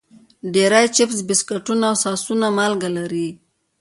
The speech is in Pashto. ډېری چپس، بسکټونه او ساسونه مالګه لري.